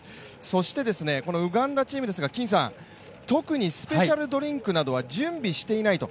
そして、ウガンダチームですが特にスペシャルドリンクなどは準備していないと。